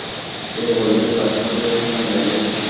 সে বলেছে তার সাথে সেখানে দেখা করতে।